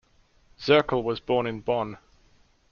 Zirkel was born in Bonn.